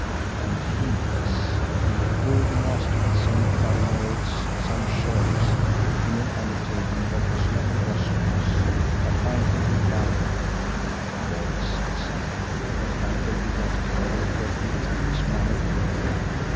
And heedless!—the burgomaster had sent by Maurits some shares in an undertaking that was not prosperous; but Uncle would buy them of him, Maurits had said. Uncle did not care where he threw his money away.